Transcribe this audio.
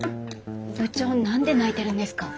部長何で泣いてるんですか？